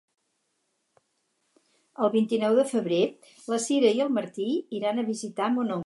El vint-i-nou de febrer na Sira i en Martí iran a visitar mon oncle.